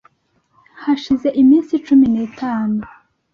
hashize iminsi cumi nitanu